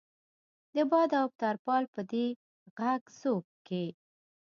د باد او ترپال په دې غږ ځوږ کې.